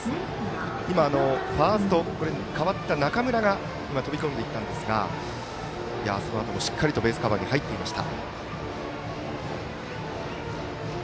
今ファースト、代わった中村が飛び込んでいったんですがそのあともしっかりとベースカバーに入っていました。